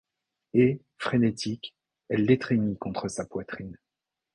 Et, frénétique, elle l’étreignit contre sa poitrine.